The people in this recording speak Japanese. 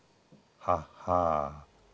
はっはぁ。